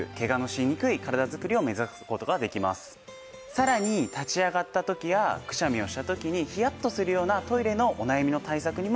さらに立ち上がった時やくしゃみをした時にヒヤッとするようなトイレのお悩みの対策にもなるんです。